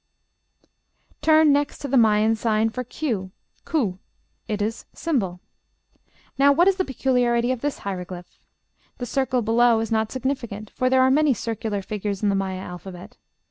Turn next to the Maya sign for q (ku): it is ###. Now what is the peculiarity of this hieroglyph? The circle below is not significant, for there are many circular figures in the Maya alphabet.